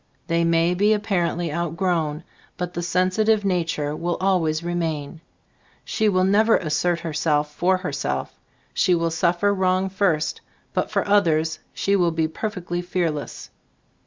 "They may be apparently outgrown, but the sensitive nature will always remain. She will never 1 14 Gbe Stout of Ag Cbf Iftbooft assert herself for herself — she will suf fer wrong first — but for others she will be perfectly fearless."